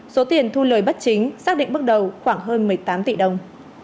số tiền thu lời bất chính xác định bước đầu khoảng hơn một mươi tám tỷ đồng